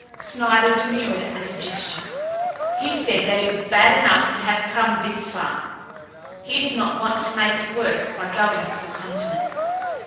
Snider demurred at the suggestion. He said that it was bad enough to have come this far. He did not want to make it worse by going to the continent.